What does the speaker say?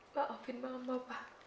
maafin mama pak